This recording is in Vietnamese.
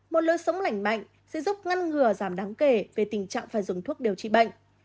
một lối sống lành mạnh sẽ giúp ngăn ngừa giảm đáng kể về tình trạng phải dùng thuốc điều trị bệnh